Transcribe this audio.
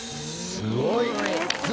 すごい！